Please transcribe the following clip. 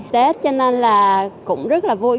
tết cho nên là cũng rất là vui